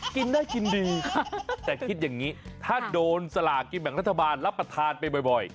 กินได้กินดีแต่คิดอย่างนี้ถ้าโดนสลากินแบ่งรัฐบาลรับประทานไปบ่อย